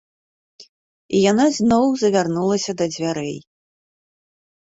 І яна зноў завярнулася да дзвярэй.